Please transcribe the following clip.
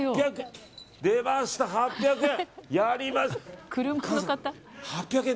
出ました、８００円！